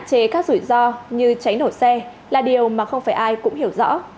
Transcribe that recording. hạn chế các rủi ro như cháy nổ xe là điều mà không phải ai cũng hiểu rõ